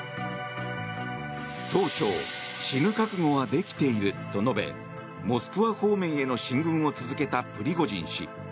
当初死ぬ覚悟はできていると述べモスクワ方面への進軍を続けたプリゴジン氏。